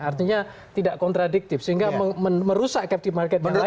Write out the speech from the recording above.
artinya tidak kontradiktif sehingga merusak captive market yang lain